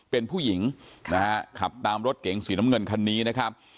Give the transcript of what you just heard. เป็นผู้หญิงนะฮะขับตามรถเก๋งสีน้ำเงินคันนี้นะครับ